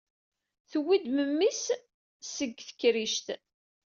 Tewwi-d memmi-s seg tekrict.